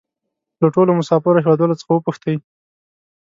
له ټولو مسافرو هېوادوالو څخه وپوښتئ.